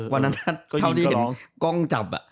วันนั้นเท่าที่เห็นกล้องจับ